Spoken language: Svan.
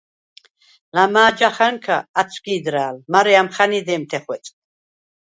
ლამა̄ჯახა̈ნქა ა̈თვსგი̄დრა̄̈ლ, მარე ამხა̈ნი დე̄მთე ხვეწდ.